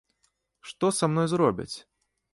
Што са мною зробяць?